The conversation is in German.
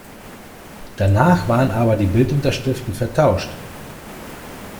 Danach waren aber die Bildunterschriften vertauscht.